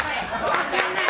分かんない！